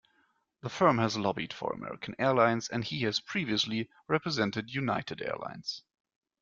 The firm has lobbied for American Airlines, and he has previously represented United Airlines.